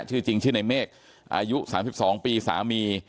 ชื่อจริงชื่อในเมฆอายุ๓๒ปีสามี